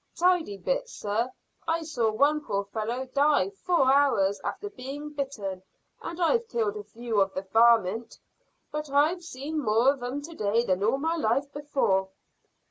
"Tidy bit, sir. I saw one poor fellow die four hours after being bitten, and I've killed a few of the varmint; but I've seen more of 'em to day than in all my life before."